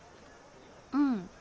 うん。